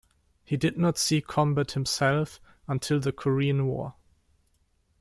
He did not see combat himself until the Korean War.